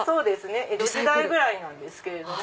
江戸時代ぐらいなんですけれども。